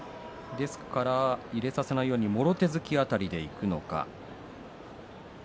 ですから中に入れないようにもろ手突きでいくのか。